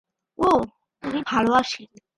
ও, ওনি ভালো আছেন।